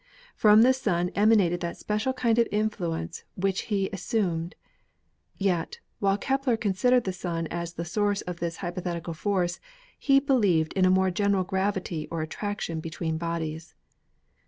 From the Sun emanated that special kind of influence which he as sumed. Yet, while Kepler considered the Sun as the source of this hypothetical force, he believed in a more general gravity or attraction between bodies.